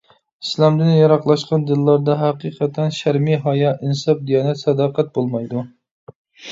ئىسلامدىن يىراقلاشقان دىللاردا ھەقىقەتەن شەرمى-ھايا، ئىنساپ-دىيانەت، ساداقەت بولمايدۇ.